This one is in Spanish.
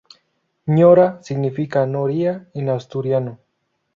Ñora significa noria en asturiano.